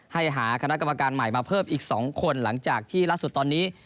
ให้หาคณะกรรมการใหม่มาเพิ่มอีก๒คนหลังจากที่ล่าสุดตอนนี้